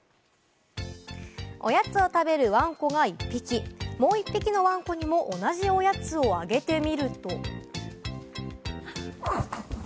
おやつを食べるワンコがもう１匹のワンコにも同じおやつをあげてみると。